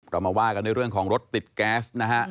เรามาว่ากันด้วยเรื่องของรถติดแก๊สนะฮะ